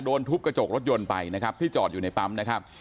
ทุบกระจกรถยนต์ไปนะครับที่จอดอยู่ในปั๊มนะครับ